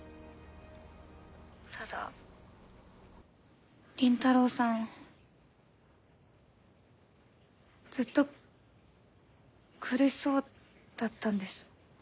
ただ倫太郎さんずっと苦しそうだったんです。